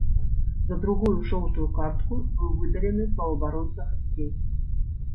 За другую жоўтую картку быў выдалены паўабаронца гасцей.